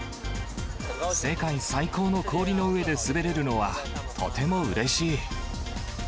世界最高の氷の上で滑れるのは、とてもうれしい。